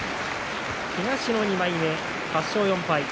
東の２枚目、８勝４敗。